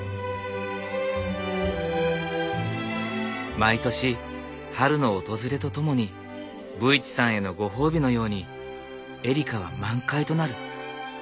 毎年春の訪れとともに武市さんへのご褒美のようにエリカは満開となる。